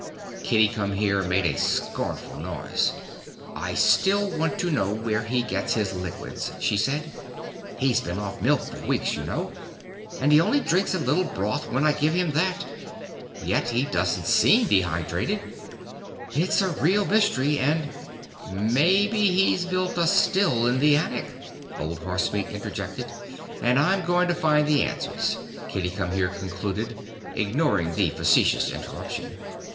Kitty Come Here made a scornful noise. "I still want to know where he gets his liquids," she said. "He's been off milk for weeks, you know, and he only drinks a little broth when I give him that. Yet he doesn't seem dehydrated. It's a real mystery and " "Maybe he's built a still in the attic," Old Horsemeat interjected. " and I'm going to find the answers," Kitty Come Here concluded, ignoring the facetious interruption.